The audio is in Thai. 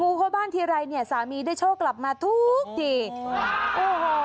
เข้าบ้านทีไรเนี่ยสามีได้โชคกลับมาทุกทีโอ้โห